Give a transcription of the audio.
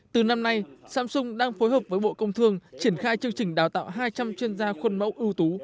từ năm nay samsung đang phối hợp với bộ công thương triển khai chương trình đào tạo hai trăm linh chuyên gia khuôn mẫu ưu tú